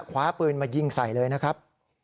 คว้าปืนมายิงใส่เลยนะครับ